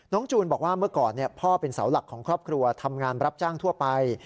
จูนบอกว่าเมื่อก่อนพ่อเป็นเสาหลักของครอบครัวทำงานรับจ้างทั่วไป